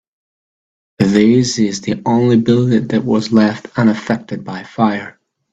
This is the only building that was left unaffected by fire.